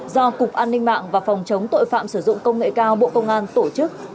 do cục an ninh mạng và phòng chống tội phạm sử dụng công nghệ cao bộ công an tổ chức